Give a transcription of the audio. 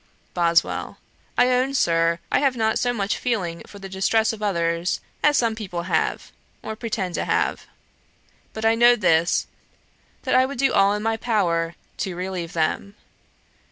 BOSWELL. 'I own, Sir, I have not so much feeling for the distress of others, as some people have, or pretend to have: but I know this, that I would do all in my power to relieve them.'